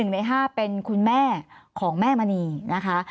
๑ใน๕เป็นคุณแม่ของแม่มณีนะคะ